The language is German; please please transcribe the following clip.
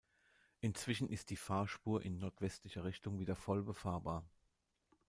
Inzwischen ist die Fahrspur in nordwestlicher Richtung wieder voll befahrbar.